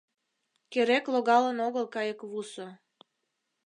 — Керек логалын огыл кайыквусо